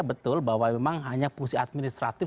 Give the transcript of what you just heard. betul bahwa memang hanya fungsi administratif